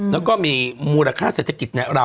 แล้วก็มีมูลค่าเศรษฐกิจในเรา